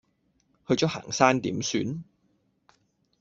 去咗行山點算？